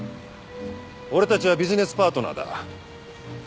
俺たちはビジネスパートナーだ。